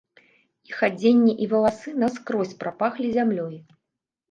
Іх адзенне і валасы наскрозь прапахлі зямлёй.